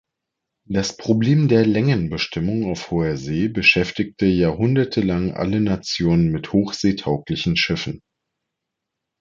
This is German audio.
Das Problem der Längenbestimmung auf hoher See beschäftigte jahrhundertelang alle Nationen mit hochseetauglichen Schiffen.